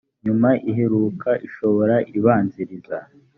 nyuma iheruka ishoboka ibanziriza